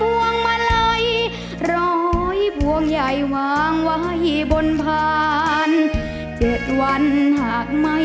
รุ่นดนตร์บุรีนามีดังใบปุ่ม